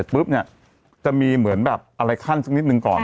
ปุ๊บเนี่ยจะมีเหมือนแบบอะไรขั้นสักนิดนึงก่อน